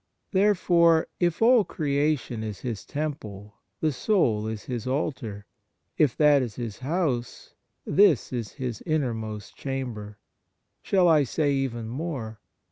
Therefore, if all creation is His temple, the soul is His altar; if that is His house, this is His innermost chamber. ... Shall I say even more